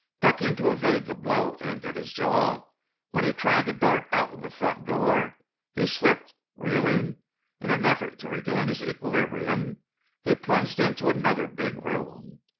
Ducking to evade the blow aimed at his jaw when he tried to dart out of the front door, he slipped. Reeling, in an effort to regain his equilibrium, he plunged into another big room.